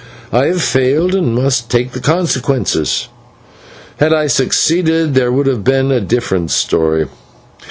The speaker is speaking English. I have failed, and must take the consequences. Had I succeeded, there would have been a different story.